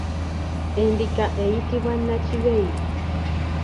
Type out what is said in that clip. Endiga eyitibwa nnakibeyu.